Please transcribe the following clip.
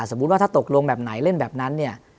สมมุติว่าถ้าตกลงแบบไหนเล่นแบบนั้นเนี่ย